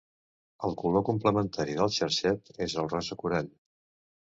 El color complementari del xarxet és el rosa corall.